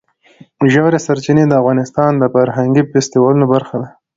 ژورې سرچینې د افغانستان د فرهنګي فستیوالونو برخه ده.